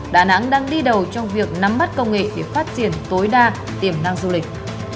đà nẵng đang đi đầu trong việc nắm mắt công nghệ để phát triển tối đa tiềm năng du lịch